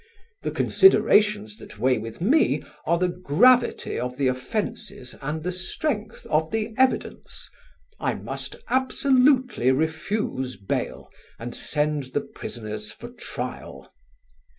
The considerations that weigh with me are the gravity of the offences and the strength of the evidence. I must absolutely refuse bail and send the prisoners for trial."